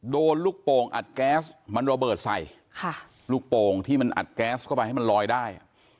โดนลูกโป่งอัดแก๊สมันระเบิดใส่ค่ะลูกโป่งที่มันอัดแก๊สเข้าไปให้มันลอยได้